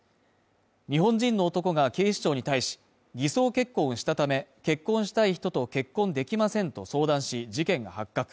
日本人の男が警視庁に対し、偽装結婚したため、結婚したい人と結婚できませんと相談し事件が発覚。